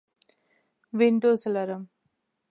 وینډوز لرم